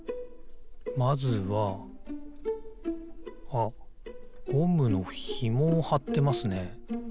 あっゴムのひもをはってますね。